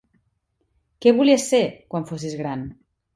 Què volies ser, quan fossis gran?